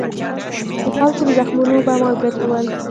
د خلکو په زخمونو به مالګې اچول.